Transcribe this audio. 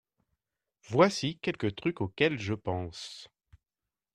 Voici quelques trucs auxquels je pense.